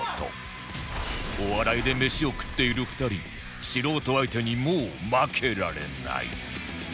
お笑いで飯を食っている２人素人相手にもう負けられない